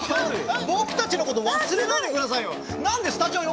僕たちのこと忘れないでくださいよ！